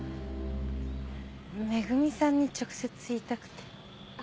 恵さんに直接言いたくて。